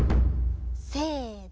せの。